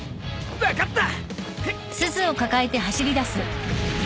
分かった！